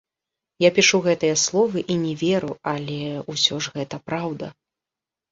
Я пішу гэтыя словы і не веру, але ўсё ж гэта праўда.